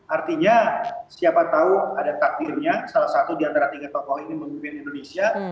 artinya siapa tahu ada takdirnya salah satu di antara tiga tokoh ini memimpin indonesia